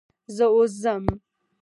زه اوس ځم.